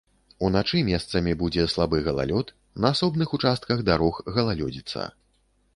Уначы месцамі будзе слабы галалёд, на асобных участках дарог галалёдзіца.